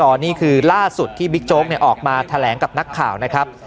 ตอนนี้คือล่าสุดที่บิ๊กโจ๊กออกมาแถลงกับนักข่าวนะครับ